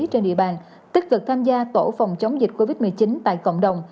trên địa bàn tích cực tham gia tổ phòng chống dịch covid một mươi chín tại cộng đồng